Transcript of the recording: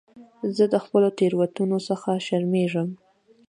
زه د خپلو تېروتنو څخه شرمېږم.